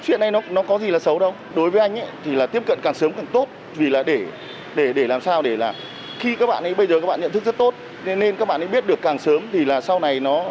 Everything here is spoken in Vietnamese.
chuyện này nó có gì là xấu đâu đối với anh thì là tiếp cận càng sớm càng tốt vì là để làm sao để là khi các bạn ấy bây giờ các bạn nhận thức rất tốt nên các bạn ấy biết được càng sớm thì là sau này nó